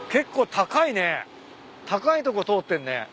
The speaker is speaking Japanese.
高いとこ通ってるね。